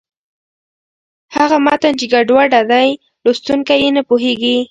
هغه متن چې ګډوډه دی، لوستونکی یې نه پوهېږي.